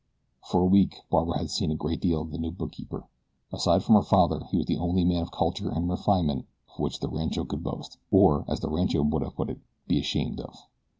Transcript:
For a week Barbara had seen a great deal of the new bookkeeper. Aside from her father he was the only man of culture and refinement of which the rancho could boast, or, as the rancho would have put it, be ashamed of.